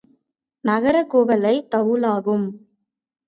தகரக் குவளை தவுலாகும்.